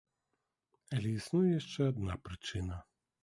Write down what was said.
Але існуе яшчэ адна прычына.